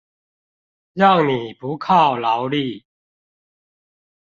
讓你不靠勞力